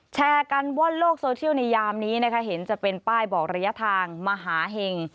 แชร์กันว่อนโลกโซเชียลในยามนี้นะคะเห็นจะเป็นป้ายบอกระยะทางมหาเห็ง